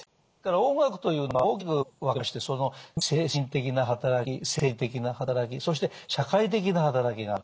音楽というのは大きく分けまして精神的な働き生理的な働きそして社会的な働きがある。